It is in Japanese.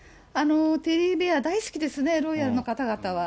テディベア大好きですね、ロイヤルの方々は。